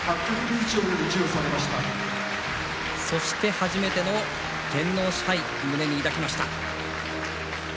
初めての天皇賜盃を手に抱きました。